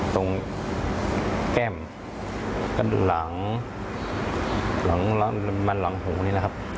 ตรงแก้มหลังหูนี่นะครับ